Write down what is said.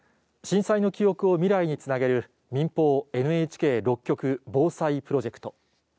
震災の記憶を未来につなげる民放、ＮＨＫ６局防災プロジェクト。